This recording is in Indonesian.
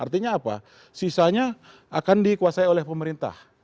artinya di era digital frekuensi itu akan lebih banyak dikuasai oleh pemerintah